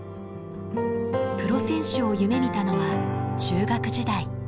プロ選手を夢みたのは中学時代。